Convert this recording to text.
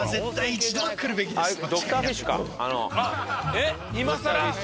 えっ今さら？